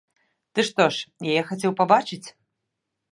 Ты што ж, яе хацеў пабачыць?